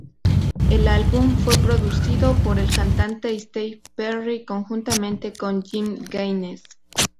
El álbum fue producido por el cantante Steve Perry conjuntamente con Jim Gaines.